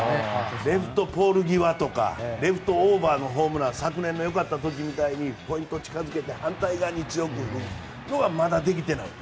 レフトポール際とかレフトオーバーのホームラン昨年の良かった時みたいにポイント近づけて反対側に強く振るのがまだできていない。